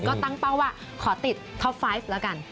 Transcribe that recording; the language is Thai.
ก็ตั้งเป้าว่าขอติดท็อปไฟฟ์แล้วกัน